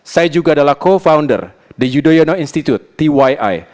saya juga adalah co founder the yudhoyono institute tyi